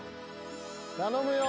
頼むよ！